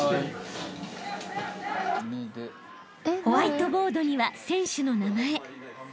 ［ホワイトボードには選手の名前］